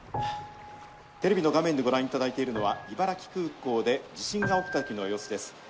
「テレビの画面でご覧いただいているのは茨城空港で地震が起きた時の様子です。